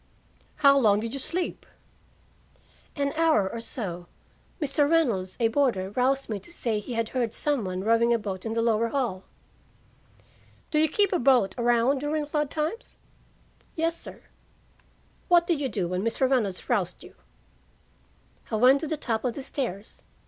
"How long did you sleep?" "An hour or so. Mr. Reynolds, a boarder, roused me to say he had heard some one rowing a boat in the lower hall." "Do you keep a boat around during flood times?" "Yes, sir." "What did you do when Mr. Reynolds roused you?" "I went to the top of the stairs.